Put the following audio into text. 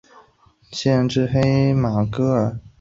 县治黑马戈尔。